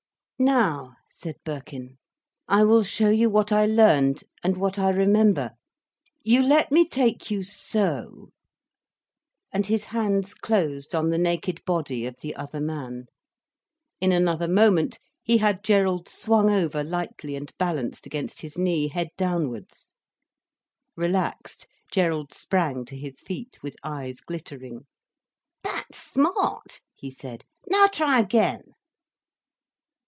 "Now," said Birkin, "I will show you what I learned, and what I remember. You let me take you so—" And his hands closed on the naked body of the other man. In another moment, he had Gerald swung over lightly and balanced against his knee, head downwards. Relaxed, Gerald sprang to his feet with eyes glittering. "That's smart," he said. "Now try again."